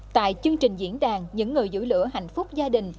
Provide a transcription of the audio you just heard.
tại chương trình diễn đàn những người giữ lửa hạnh phúc gia đình